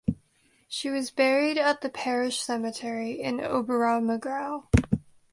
She was buried at the parish cemetery in Oberammergau.